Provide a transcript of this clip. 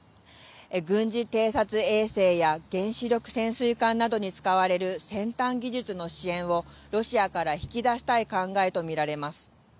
軍事偵察衛星や原子力潜水艦などに使われる先端技術の支援を、ロシアから引き出したい考えと見られます。